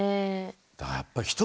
だからやっぱり。